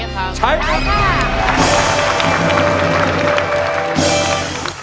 ใช้ใช้ค่ะ